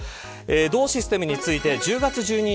同システムについて１０月１２日